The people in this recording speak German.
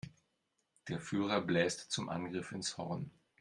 Der Führer bläst zum Angriff ins Horn.